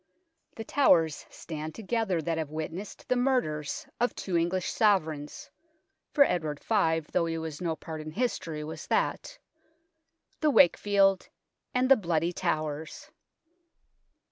The towers stand together that have witnessed the murders of two English Sovereigns, for Edward V, though he has no part in history, was that the Wakefield and the Bloody Towers.